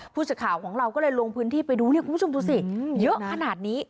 ผู้สื่อข่าวของเราก็เลยลงพื้นที่ไปดูเนี่ยคุณผู้ชมดูสิเยอะขนาดนี้